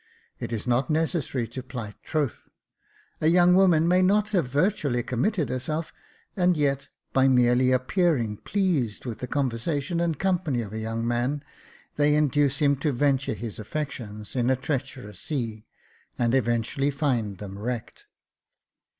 It is not necessary to plight troth ; a young woman may not have virtually committed herself, and yet, by merely appearing pleased with the conversation and company of a young man, induce him to venture his affections in a treacherous sea, and eventually find them wrecked."